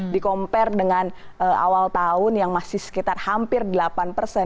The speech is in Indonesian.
di compare dengan awal tahun yang masih sekitar hampir delapan persen